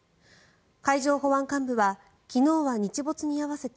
海上保安監部は昨日は日没に合わせて